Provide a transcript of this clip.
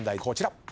こちら。